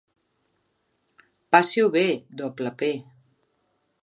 Passi-ho bé, doble pe!